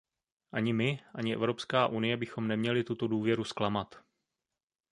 Ani my, ani Evropská unie bychom neměli tuto důvěru zklamat.